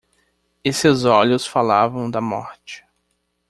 E seus olhos falavam da morte.